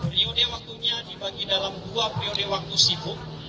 riodenya dibagi dalam dua riodenya waktu sibuk